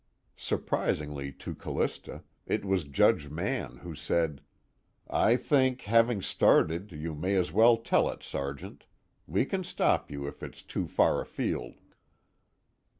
Surprisingly to Callista, it was Judge Mann who said: "I think, having started, you may as well tell it, Sergeant. We can stop you if it's too far afield."